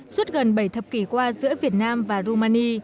suốt gần bảy thập kỷ qua giữa việt nam và rumani